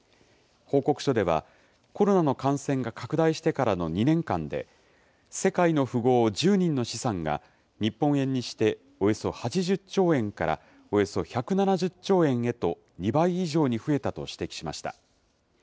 報告書では、コロナの感染が拡大してからの２年間で、世界の富豪１０人の資産が、日本円にして、およそ８０兆円からおよそ１７０兆円へと２倍以上に増えたと指摘しました。